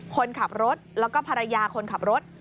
คนขับรถแล้วก็ภรรยาคนขับรถ